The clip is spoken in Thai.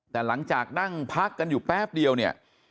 แต่หลังจากนั่งพักกันอยู่แป๊บเดียวเนี่ย